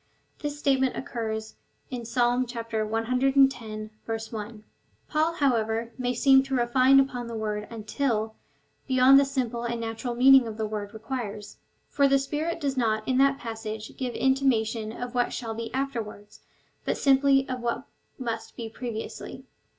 This statement occurs in Ps. ex. 1. Paul, however, may seem to refine upon the word until bevond what the simple and natural meaning of the word requires ; for the Spirit does not in that passage give inti mation of what shall be afterwards, but simply of what must be previously.